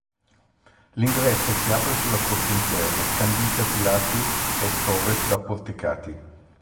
L'ingresso si apre sulla corte interna, scandita sui lati est e ovest da porticati.